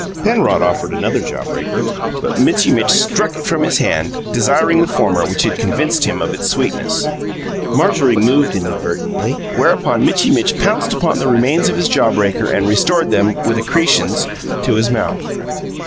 Penrod offered another jaw breaker; but Mitchy Mitch struck it from his hand, desiring the former, which had convinced him of its sweetness. Marjorie moved inadvertently; whereupon Mitchy Mitch pounced upon the remains of his jaw breaker and restored them, with accretions, to his mouth.